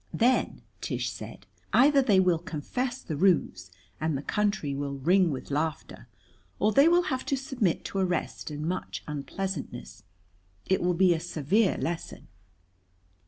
"Then," said Tish, "either they will confess the ruse, and the country will ring with laughter, or they will have to submit to arrest and much unpleasantness. It will be a severe lesson."